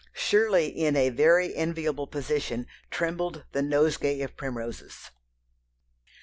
surely in a very enviable position, trembled the nosegay of primroses."